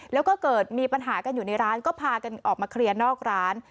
แล้วก็เกิดมีปัญหากันอยู่ในร้านก็พากันออกมาเคลียร์นอกร้าน